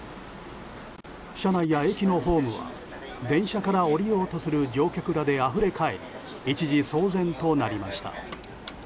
車内や駅のホームは電車から降りようとする乗客らであふれかえり一時騒然となりました。